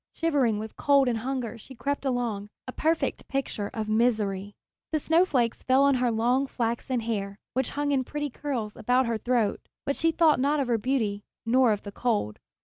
Shivering with cold and hunger she crept along, a perfect picture of misery! The snowflakes fell on her long flaxen hair, which hung in pretty curls about her throat; but she thought not of her beauty nor of the cold.